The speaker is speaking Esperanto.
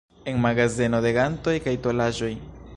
En magazeno de gantoj kaj tolaĵoj.